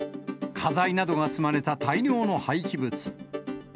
家財などが積まれた大量の廃棄物。